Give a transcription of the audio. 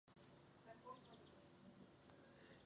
Hudbě se začal věnovat již v dětství.